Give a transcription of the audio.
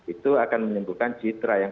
itu akan menimbulkan citra yang